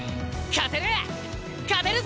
勝てる！